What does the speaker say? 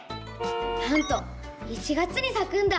なんと１月にさくんだ。